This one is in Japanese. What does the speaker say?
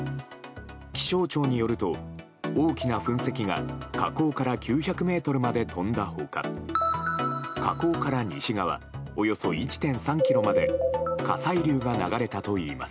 気象庁によると大きな噴石が火口から９００ｍまで飛んだ他火口から西側およそ１．３ｋｍまで火砕流が流れたといいます。